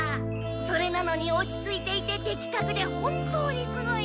それなのに落ち着いていててきかくで本当にすごいんだ。